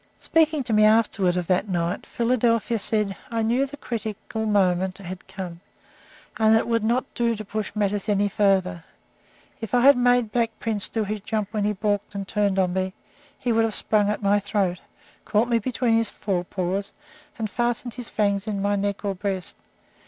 Speaking to me afterward of that night, Philadelphia said: "I knew the critical moment had come, and that it would not do to push matters any farther. If I had made Black Prince do his jump when he balked and turned on me, he would have sprung at my throat, caught me between his fore paws, and fastened his fangs in my neck or breast.